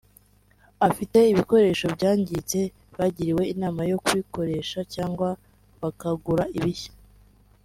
Abafite ibikoresho byangiritse bagiriwe inama yo kubikoresha cyangwa bakagura ibishya